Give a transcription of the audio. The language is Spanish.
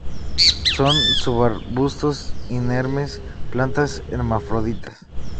Son subarbustos inermes; plantas hermafroditas.